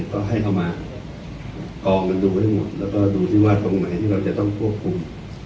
ก็ให้เข้ามากองกันดูให้หมดแล้วก็ดูซิว่าตรงไหนที่เราจะต้องควบคุม